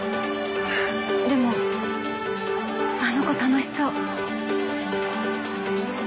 でもあの子楽しそう。